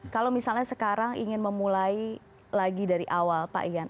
kalau misalnya sekarang ingin memulai lagi dari awal pak ian